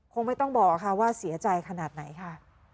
คงไม่ต้องบอกค่ะว่าเสียใจขนาดไหนค่ะ